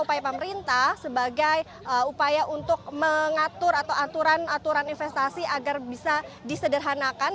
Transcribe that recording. upaya pemerintah sebagai upaya untuk mengatur atau aturan aturan investasi agar bisa disederhanakan